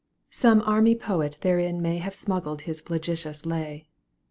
Some army poet therein may Have smuggled his flagitiou s lay.